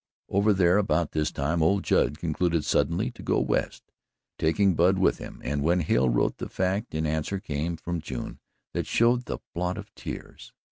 Over there about this time, old Judd concluded suddenly to go West, taking Bud with him, and when Hale wrote the fact, an answer came from June that showed the blot of tears.